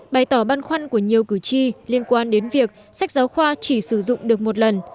bày tỏ băn khoăn của nhiều cử tri liên quan đến việc sách giáo khoa chỉ sử dụng được một lần